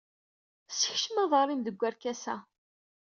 Sekcem aḍar-im deg warkas-a.